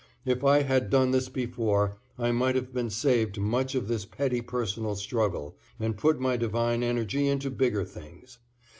If I had done this before I might have been saved much of this petty personal struggle and put my divine energy into bigger things.